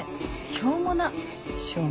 しょうもな。